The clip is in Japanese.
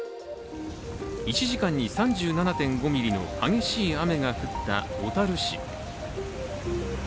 １時間に３７．５ミリの激しい雨が降った小樽市。